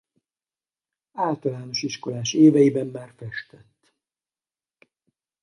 Általános iskolás éveiben már festett.